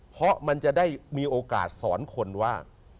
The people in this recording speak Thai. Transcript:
เพราะมันจะได้มีโอกาสสอนคนว่า